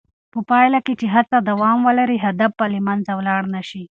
په پایله کې چې هڅه دوام ولري، هدف به له منځه ولاړ نه شي.